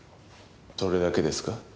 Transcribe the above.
それだけですか？